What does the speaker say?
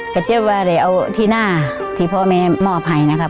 ก็เจ็บว่าได้เอาที่หน้าที่พ่อแม่มอบให้นะครับ